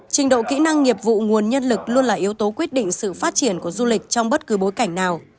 trình độ kỹ năng nghiệp vụ nguồn nhân lực luôn là yếu tố quyết định sự phát triển của du lịch trong bất cứ bối cảnh nào